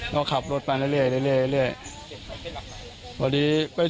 ก็ขับรถไปเรื่อย